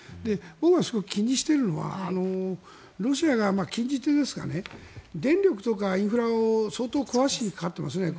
僕がすごく気にしているのはロシアが、禁じ手ですが電力とかインフラを相当壊しにかかっていますよね。